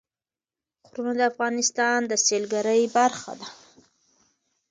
غرونه د افغانستان د سیلګرۍ برخه ده.